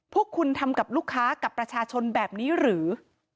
พวกคุณทำกับลูกค้ากับประชาชนแบบนี้หรือ